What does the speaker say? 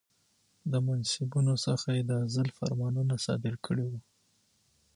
د منصبونو څخه د عزل فرمانونه صادر کړي ؤ